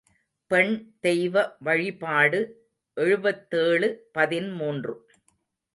பெண் தெய்வ வழிபாடு எழுபத்தேழு பதிமூன்று .